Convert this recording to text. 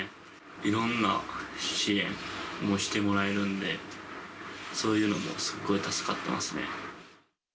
いろんな支援もしてもらえるんで、そういうのもすごい助かってますね。